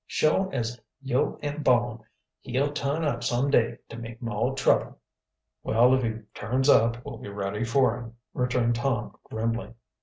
Suah as yo' am born he'll turn up some day to make moah trouble." "Well, if he turns up we'll be ready for him," returned Tom grimly.